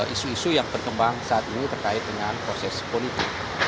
isu isu yang berkembang saat ini terkait dengan proses politik